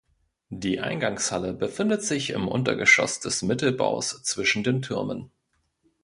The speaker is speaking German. Die Eingangshalle befindet sich im Untergeschoss des Mittelbaus zwischen den Türmen.